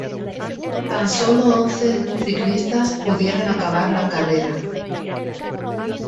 Tan sólo once ciclistas pudieron acabar la carrera.